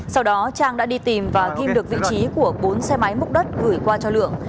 sau đó trang đã đi tìm và ghim được vị trí của bốn xe máy múc đất gửi qua cho lượng